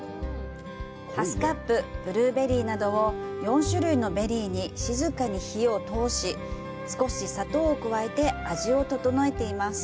ハスカップ、ブルーベリーなど４種類のベリーに静かに火を通し少し砂糖を加えて、味を調えています。